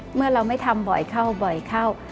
เมื่อเราไม่ทำบ่อยเข้า